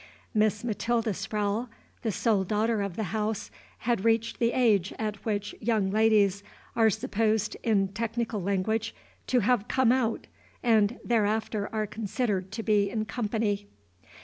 Miss Matilda Sprowle, sole daughter of the house, had reached the age at which young ladies are supposed in technical language to have come out, and thereafter are considered to be in company.